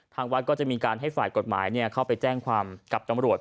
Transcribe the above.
ทางวัดก็จะมีการให้ฝ่ายกฎหมายเข้าไปแจ้งความกับตำรวจ